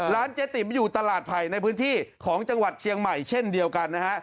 เจ๊ติ๋มอยู่ตลาดไผ่ในพื้นที่ของจังหวัดเชียงใหม่เช่นเดียวกันนะฮะ